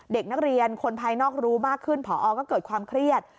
เด็กนักเรียนคนภายนอกรู้มากขึ้นผอก็เกิดความเครียด